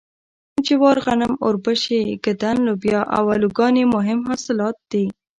جوار غنم اوربشې ږدن لوبیا او الوګان یې مهم حاصلات دي.